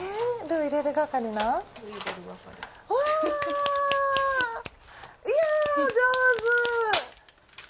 いや上手！